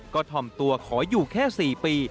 ก็ถ่อมตัวขออยู่แค่๔ปี